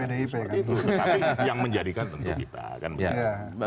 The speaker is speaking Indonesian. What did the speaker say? seperti itu tapi yang menjadikan tentu kita